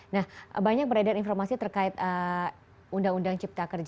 nah banyak beredar informasi terkait undang undang cipta kerja